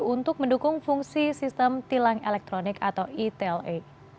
untuk mendukung fungsi sistem tilang elektronik atau etle